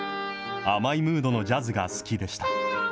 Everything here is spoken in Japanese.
甘いムードのジャズが好きでした。